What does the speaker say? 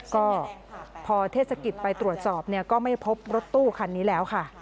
ก็พอเทศกิจไปตรวจสอบเนี่ยก็ไม่พบรถตู้คันนี้แล้วค่ะ